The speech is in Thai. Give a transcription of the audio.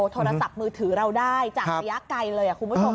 โทรศัพท์มือถือเราได้จากระยะไกลเลยคุณผู้ชม